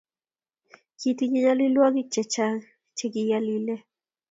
Kitinyei nyalilwogik chechang chegiyalile